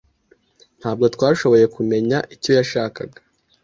Ntabwo twashoboye kumenya icyo yashakaga.